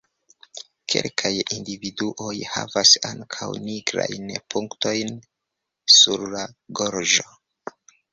Kelkaj individuoj havas ankaŭ nigrajn punktojn sur la gorĝo.